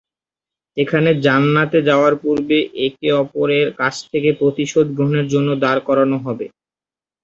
এখানে জান্নাতে যাওয়ার পূর্বে একে অপরের কাছ থেকে প্রতিশোধ গ্রহণের জন্যে দাঁড় করানো হবে।